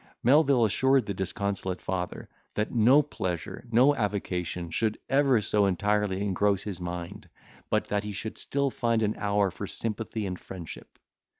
Melvil assured this disconsolate father, that no pleasure, no avocation should ever so entirely engross his mind, but that he should still find an hour for sympathy and friendship.